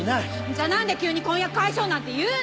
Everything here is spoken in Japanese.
じゃあなんで急に婚約解消なんて言うのよ！